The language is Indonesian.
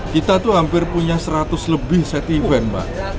kita tuh hampir punya seratus lebih set event mbak